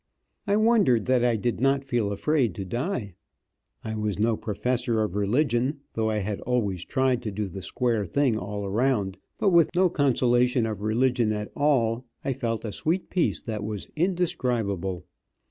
I wondered that I did not feel afraid to die. I was no professor of religion, though I had always tried to do the square thing all around, but with no consolation of religion at all, I felt a sweet peace that was indescribable.